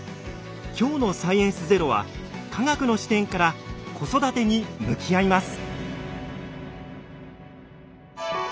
今日の「サイエンスＺＥＲＯ」は科学の視点から子育てに向き合います。